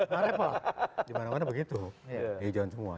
mana mana begitu ijon semua